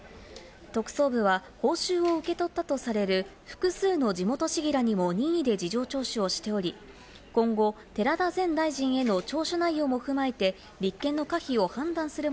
特捜部は報酬を受け取ったとされる複数の地元市議らにも任意で事情聴取をしており、今後、寺田前大臣への聴取内容も踏まえて、立件の可否を判断する